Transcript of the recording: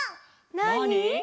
なに？